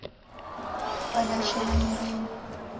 Wadashoma nyumbeni